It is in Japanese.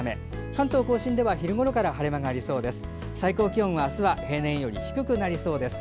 関東・甲信では昼ごろから晴れ間がありそうです。